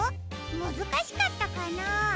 むずかしかったかな？